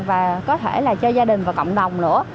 và có thể là cho gia đình và cộng đồng nữa